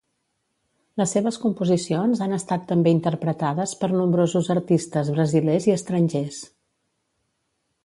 Les seves composicions han estat també interpretades per nombrosos artistes brasilers i estrangers.